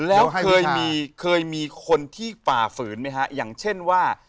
แล้วเคยมีเคยมีคนที่ฝ่าฝืนไหมฮะอย่างเช่นว่า